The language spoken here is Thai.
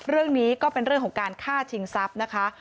เรื่องนี้ก็เป็นเรื่องของการฆ่าชิงทรัพย์นะคะ